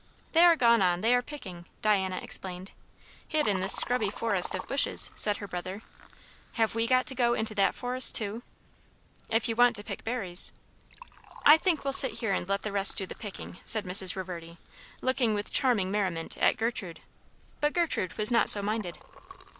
"They are gone on they are picking," Diana explained. "Hid in this scrubby forest of bushes," said her brother. "Have we got to go into that forest too?" "If you want to pick berries." "I think we'll sit here and let the rest do the picking," said Mrs. Reverdy, looking with charming merriment at Gertrude. But Gertrude was not so minded.